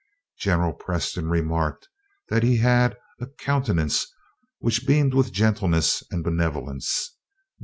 General Preston remarked that he had "a countenance which beamed with gentleness and benevolence."